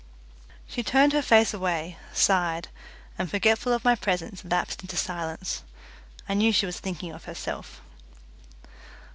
She turned her face away, sighed, and forgetful of my presence lapsed into silence. I knew she was thinking of herself.